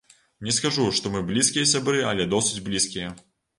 Не скажу, што мы блізкія сябры, але досыць блізкія.